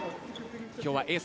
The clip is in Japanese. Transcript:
今日はエース